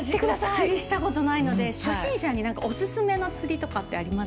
私釣りしたことないので初心者におススメの釣りとかってあります？